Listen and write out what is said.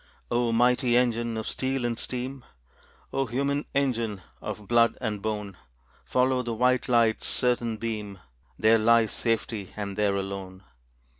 O mighty engine of steel and steam; O human engine of blood and bone, Follow the white light's certain beam There lies safety and there alone.